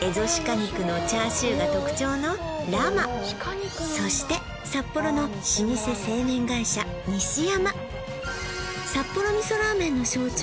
肉のチャーシューが特徴のＲＡＭＡＴそして札幌の老舗製麺会社西山札幌味噌ラーメンの象徴